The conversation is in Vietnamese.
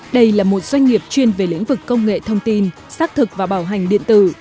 đây là một doanh nghiệp chuyên về lĩnh vực công nghệ thông tin xác thực và bảo hành điện tử